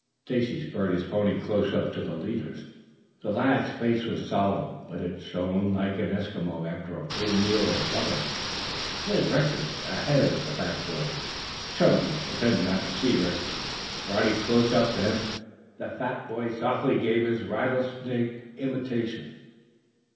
Stacy spurred his pony close up to the leaders. The lad's face was solemn, but it shone like an Eskimo's after a full meal of blubber. Ned Rector was next ahead of the fat boy. Chunky pretended not to see Rector. Riding close up to him, the fat boy softly gave his rattlesnake imitation.